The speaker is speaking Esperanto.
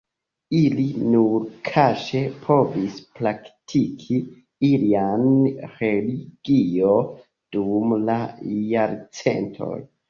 Ili nur kaŝe povis praktiki ilian religion dum la jarcentoj.